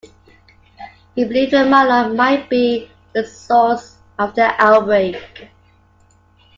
He believed Mallon might be the source of the outbreak.